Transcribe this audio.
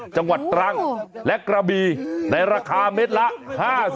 จังหวัดตรังและกระบีในราคาเม็ดละ๕๐บาท